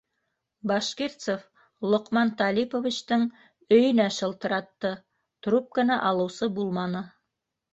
Башкирцева Лоҡман Талиповичтың өйөнә шылтыратты - трубканы алыусы булманы.